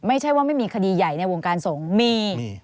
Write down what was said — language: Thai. ไม่ใช่ว่าไม่มีคดีใหญ่ในวงการสงฆ์มี